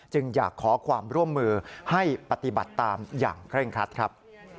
อยากขอความร่วมมือให้ปฏิบัติตามอย่างเคร่งครัดครับ